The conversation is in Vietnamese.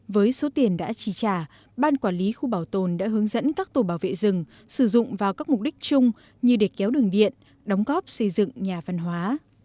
với số tiền đã chi trả ban quản lý khu bảo tồn đã hướng dẫn các tổ bảo vệ rừng sử dụng vào các mục đích chung như để kéo đường điện đóng góp xây dựng nhà văn hóa